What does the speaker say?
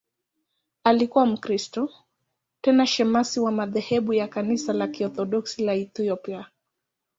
Alikuwa Mkristo, tena shemasi wa madhehebu ya Kanisa la Kiorthodoksi la Ethiopia.